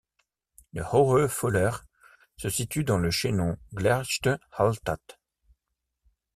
Le Hohe Fürleg se situe dans le chaînon Gleirsch-Halltal.